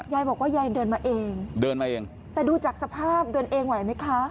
ยายบอกว่ายายเดินมาเองเดินมาเองแต่ดูจากสภาพเดินเองไหวไหมคะ